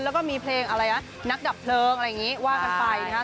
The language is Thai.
แล้วก็มีเพลงอะไรนะนักดับเพลิงอะไรอย่างนี้ว่ากันไปนะครับ